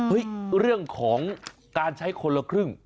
เรื่องของการใช้คนละครึ่ง